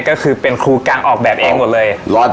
ก็คือเป็นครูกังออกแบบเองหมดเลย